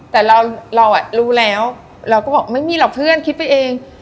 แต่เรารู้แล้วเราก็บอกไม่มีหรอกเพื่อนคิดไปเอง